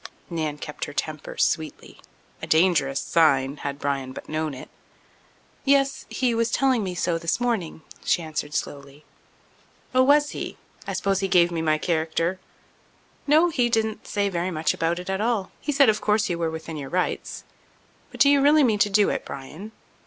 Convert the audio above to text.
Nan kept her temper sweetly—a dangerous sign, had Bryan but known it. "Yes; he was telling me so this morning," she answered slowly. "Oh, was he? I suppose he gave me my character?" "No; he didn't say very much about it at all. He said of course you were within your rights. But do you really mean to do it, Bryan?"